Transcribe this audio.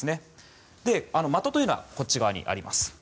的というのは右側にあります。